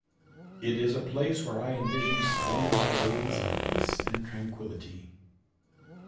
It is a place where I envision spending my days in peace and tranquility.